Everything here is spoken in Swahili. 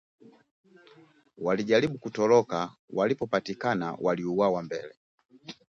Waliojaribu kutoroka, walipopatikana waliuawa mbele